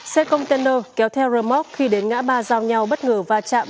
xe container kéo theo rơm óc khi đến ngã ba giao nhau bất ngờ va chạm